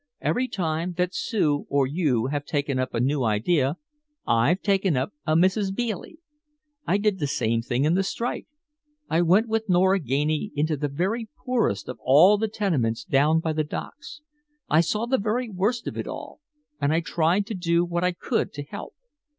Every time that Sue or you have taken up a new idea I've taken up a Mrs. Bealey. I did the same thing in the strike. I went with Nora Ganey into the very poorest of all the tenements down by the docks. I saw the very worst of it all and I tried to do what I could to help.